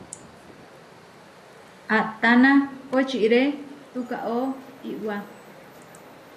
Ataná kočiré tukaó iwá.